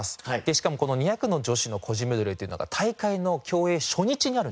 しかもこの２００の女子の個人メドレーっていうのが大会の競泳初日になるんですよ。